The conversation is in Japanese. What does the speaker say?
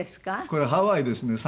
これハワイですね。